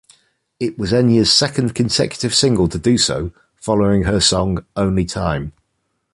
It was Enya's second consecutive single to do so, following her song "Only Time".